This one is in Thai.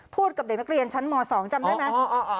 กับเด็กนักเรียนชั้นม๒จำได้ไหม